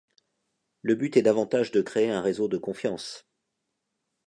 Le but est davantage de créer un réseau de confiance.